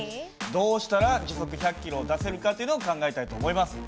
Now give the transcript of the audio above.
どうしたら時速１００キロを出せるかというのを考えたいと思います。